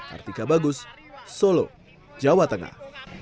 kartika bagus solo jawa tengah